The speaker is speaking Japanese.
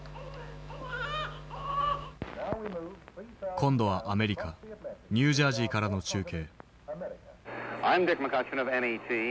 今度はアメリカ・ニュージャージーからの中継。